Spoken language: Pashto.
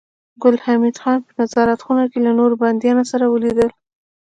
ګل حمید خان په نظارت خونه کې له نورو بنديانو سره ولیدل